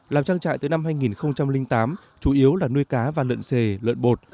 làm trang trại tới năm hai nghìn tám chủ yếu là nuôi cá và lợn xề lợn bột